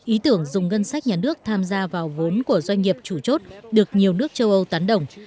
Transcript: ý tưởng dùng ngân sách nhà nước tham gia vào vốn của doanh nghiệp chủ chốt được nhiều nước châu âu tán động